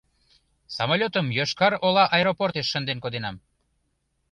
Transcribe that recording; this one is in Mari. Самолетым Йошкар-Ола аэропортеш шынден коденам...